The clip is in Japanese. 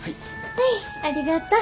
はいありがとう。